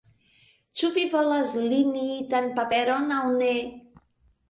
Ĉu vi volas liniitan paperon aŭ ne?